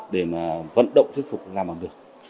để mà vận động thuyết phục làm bằng được